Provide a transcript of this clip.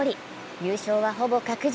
優勝はほぼ確実。